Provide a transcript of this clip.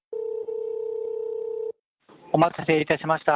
お待たせいたしました。